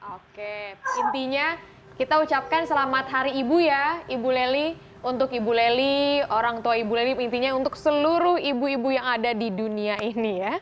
oke intinya kita ucapkan selamat hari ibu ya ibu leli untuk ibu leli orang tua ibu leli intinya untuk seluruh ibu ibu yang ada di dunia ini ya